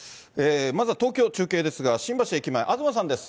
まずは東京、中継ですが、新橋駅前、東さんです。